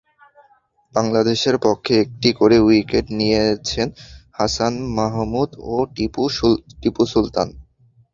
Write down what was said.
বাংলাদেশের পক্ষে একটি করে উইকেট নিয়েছেন হাসান মাহমুদ ও টিপু সুলতান।